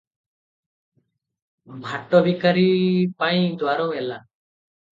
ଭାଟ ଭିକାରୀପାଇଁ ଦ୍ୱାର ମେଲା ।